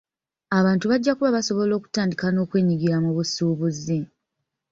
Abantu bajja kuba basobola okutandika n'okwenyigira mu busuubuzi.